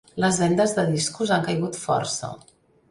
Les vendes de discos han caigut força.